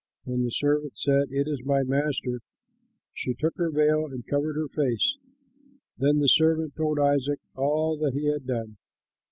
When the servant said, "It is my master," she took her veil and covered her face. Then the servant told Isaac all that he had done.